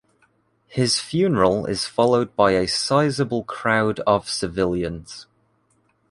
His funeral is followed by a sizeable crowd of civilians.